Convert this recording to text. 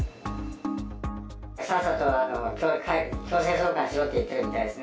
さっさと早く強制送還しろって言ってるみたいですね。